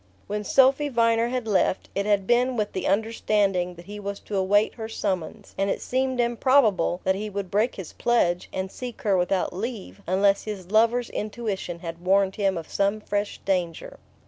When Sophy Viner had left, it had been with the understanding that he was to await her summons; and it seemed improbable that he would break his pledge, and seek her without leave, unless his lover's intuition had warned him of some fresh danger.